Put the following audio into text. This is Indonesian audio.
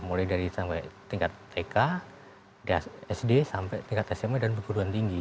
mulai dari tingkat tk sd sampai tingkat sma dan berguruan tinggi